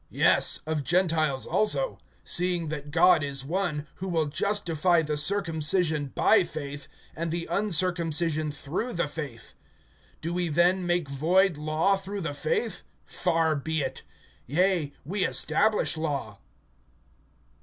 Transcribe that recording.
Yes, of Gentiles also; (30)seeing that God is one, who will justify the circumcision by faith, and the uncircumcision through the faith. (31)Do we then make void law through the faith? Far be it! Yea, we establish law.